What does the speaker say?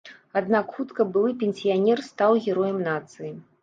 Аднак хутка былы пенсіянер стаў героем нацыі.